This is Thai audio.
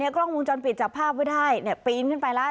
กล้องวงจรปิดจับภาพไว้ได้ปีนขึ้นไปแล้ว